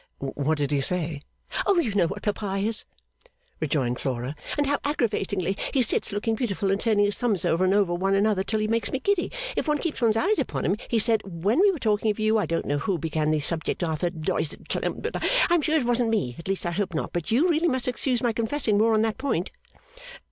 What did he say?' 'Oh you know what papa is,' rejoined Flora, 'and how aggravatingly he sits looking beautiful and turning his thumbs over and over one another till he makes one giddy if one keeps one's eyes upon him, he said when we were talking of you I don't know who began the subject Arthur (Doyce and Clennam) but I am sure it wasn't me, at least I hope not but you really must excuse my confessing more on that point.